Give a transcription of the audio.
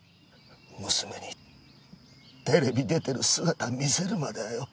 娘にテレビ出てる姿見せるまではよ。